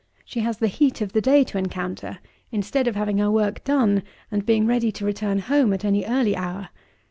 She has the heat of the day to encounter, instead of having her work done and being ready to return home at any early hour.